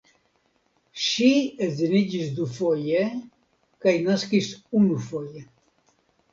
Ŝi edziniĝis dufoje kaj naskis unufoje.